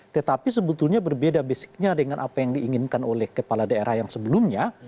tetapi sebetulnya berbeda basicnya dengan apa yang diinginkan oleh kepala daerah yang sebelumnya